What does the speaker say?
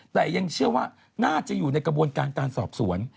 แต่ยังเชื่อว่าน่าจะอยู่ในกระบวนการการสอบสวน